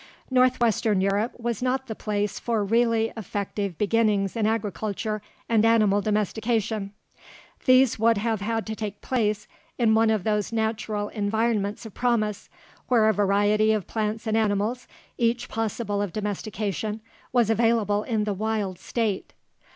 Northwestern Europe was not the place for really effective beginnings in agriculture and animal domestication. These would have had to take place in one of those natural environments of promise, where a variety of plants and animals, each possible of domestication, was available in the wild state.